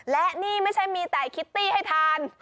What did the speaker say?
และนี่ไม่ใช่มีแต่คิตตี้ให้ทาน